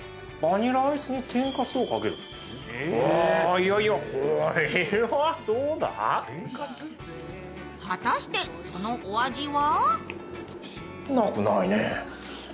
いやいや、これはどうだ果たしてそのお味は？